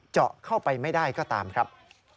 เจาะเข้าไปไม่ได้ก็ตามครับ